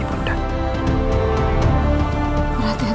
pulanglah dengan senang